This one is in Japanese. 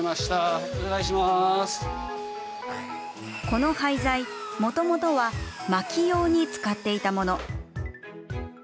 この廃材、もともとは薪用に使っていたもの。